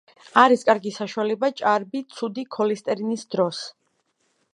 არის კარგი საშუალება ჭარბი ცუდი ქოლესტერინის დროს.